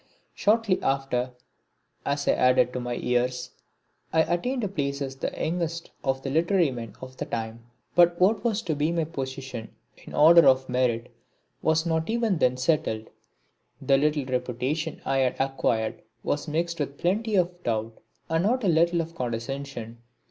Shortly after, as I added to my years, I attained a place as the youngest of the literary men of the time; but what was to be my position in order of merit was not even then settled. The little reputation I had acquired was mixed with plenty of doubt and not a little of condescension.